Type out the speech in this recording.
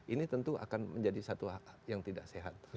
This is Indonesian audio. ini tentu akan menjadi satu yang tidak sehat